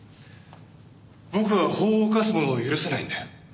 僕は法を犯す者を許せないんだよ。